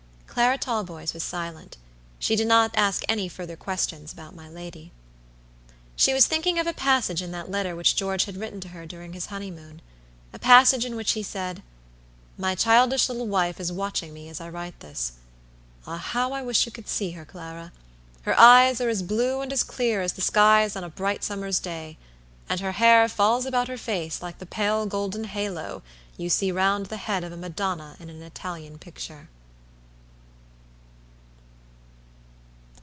Clara Talboys was silent. She did not ask any further questions about my lady. She was thinking of a passage in that letter which George had written to her during his honeymoona passage in which he said: "My childish little wife is watching me as I write thisAh! how I wish you could see her, Clara! Her eyes are as blue and as clear as the skies on a bright summer's day, and her hair falls about her face like the pale golden halo you see round the head of a Madonna in an Italian picture."